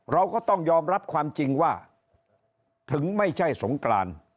เราก็ต้องยอมรับความจริงว่าถึงไม่ใช่สงกราน